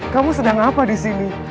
kamu sedang apa di sini